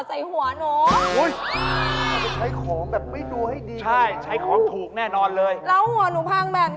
ใช้ของแบบไม่ดูให้ดีเลยนะครับ